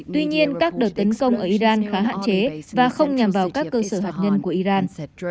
tuy nhiên các đợt tấn công ở iran khá hạn chế và không nhằm vào các cơ sở hạt nhân của iran